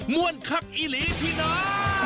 มวลคักอีหลีที่น้า